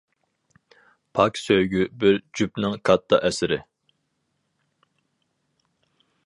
پاك سۆيگۈ بىر جۈپنىڭ كاتتا ئەسىرى.